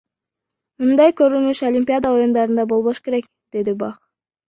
Мындай көрүнүш Олимпиада оюндарында болбош керек, — деди Бах.